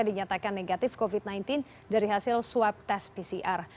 dinyatakan negatif covid sembilan belas dari hasil swab tes pcr